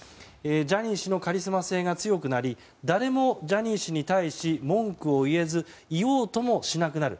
ジャニー氏のカリスマ性が強くなり誰もジャニー氏に対し文句を言えず言おうともしなくなる。